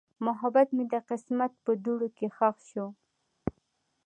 محبت مې د قسمت په دوړو کې ښخ شو.